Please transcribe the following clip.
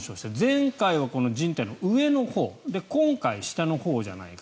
前回は、じん帯の上のほう今回は下のほうじゃないか。